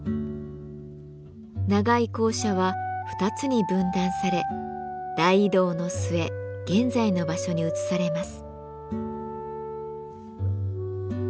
長い校舎は二つに分断され大移動の末現在の場所に移されます。